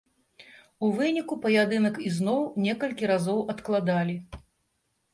У выніку паядынак ізноў некалькі разоў адкладалі.